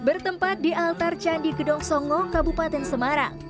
bertempat di altar candi gedong songo kabupaten semarang